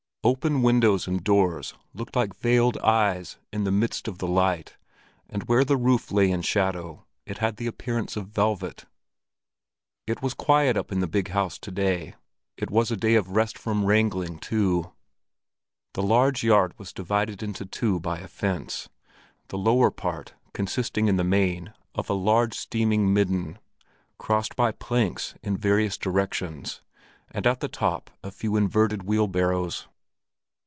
Open windows and doors looked like veiled eyes in the midst of the light, and where the roof lay in shadow, it had the appearance of velvet. It was quiet up in the big house to day; it was a day of rest from wrangling too. The large yard was divided into two by a fence, the lower part consisting in the main of a large, steaming midden, crossed by planks in various directions, and at the top a few inverted wheelbarrows.